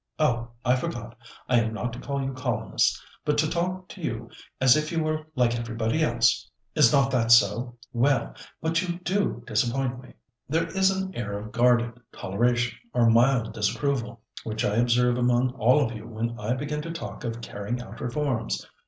"Oh! I forgot. I am not to call you colonists, but to talk to you as if you were like everybody else—is not that so? Well—but you do disappoint me. There is an air of guarded toleration, or mild disapproval, which I observe among all of you when I begin to talk of carrying out reforms.